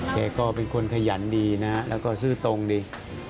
แกก็เป็นคนขยันดีนะแล้วก็ซื้อตรงดี